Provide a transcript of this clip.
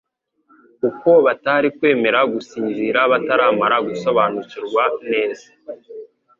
kuko batari kwemera gusinzira bataramara gusobanukirwa neza